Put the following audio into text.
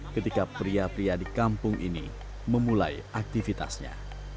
ketika pria pria di kampung ini memulai aktivitasnya